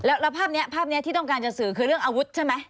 แล้วภาพนี้ภาพนี้ที่ต้องการจะสื่อคือเรื่องอาวุธใช่ไหม